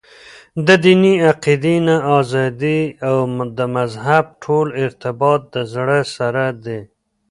دديني عقيدي نه ازاد دي او دمذهب ټول ارتباط دزړه سره دى .